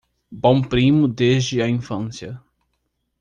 Bom primo desde a infância